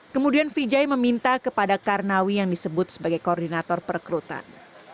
kemudian vijay meminta kepada karnawi yang disebut sebagai koordinator perekrutan